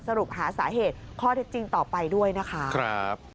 สรุปหาสาเหตุข้อเท็จจริงต่อไปด้วยนะคะ